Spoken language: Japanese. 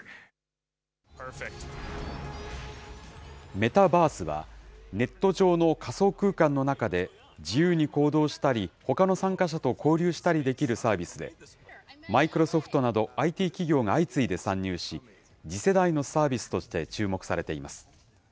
メタバースは、ネット上の仮想空間の中で自由に行動したり、ほかの参加者と交流したりできるサービスで、マイクロソフトなどＩＴ企業が相次いで参入し、次世代のサービスとして注目されています。